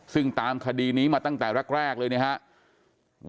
ซึ่งตามคดีนี้มาตั้งแต่แรกเลยนะครับ